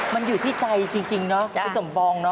มันอยู่ที่ใจจริงเนาะคุณสมปองเนอ